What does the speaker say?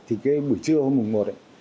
thì cái buổi trưa hôm mùng một ấy